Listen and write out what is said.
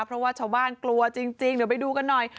เพราะว่าชาวบ้านกลัวจริงเดี๋ยวไปดูกันหน่อย